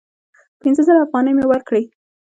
پینځه زره افغانۍ مي ورکړې !